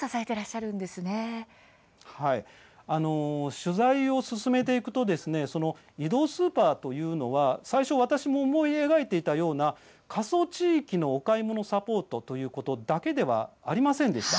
取材を進めていくと移動スーパーっていうのは最初は私の思い描いていたような「過疎地域のお買い物サポート」というだけではありませんでした。